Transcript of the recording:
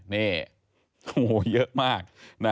นี่เยอะมาก